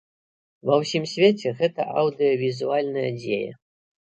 Ва ўсім свеце гэта аўдыёвізуальная дзея.